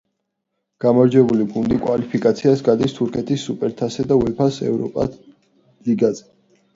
გამარჯვებული გუნდი კვალიფიკაციას გადის თურქეთის სუპერთასზე და უეფა-ს ევროპა ლიგაზე.